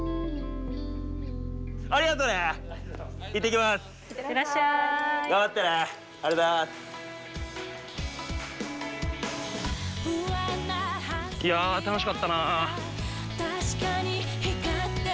ありがとね。